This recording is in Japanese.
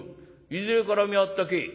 いずれからみゃあったけ？」。